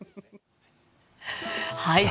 はい。